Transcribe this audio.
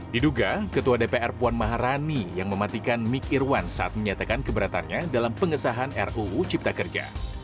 diduga ketua dpr puan maharani yang mematikan mik irwan saat menyatakan keberatannya dalam pengesahan ruu cipta kerja